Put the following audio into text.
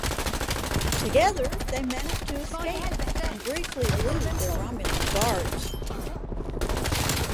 Together, they manage to escape and briefly elude their Romulan guards.